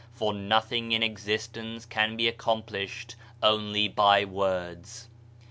For nothing in existence can be accomplished only by words.